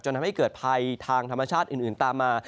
ทำให้เกิดภัยทางธรรมชาติอื่นตามมา